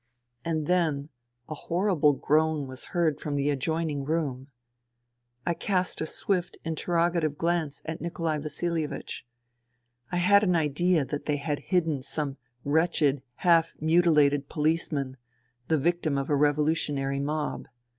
And then a horrible groan was heard from the adjoining room. I cast a swift interrogative glance at Nikolai Vasilievich. I had an idea that they had hidden some wretched half mutilated policeman, the victim of a revolutionary mob.